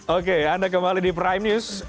oke anda kembali di prime news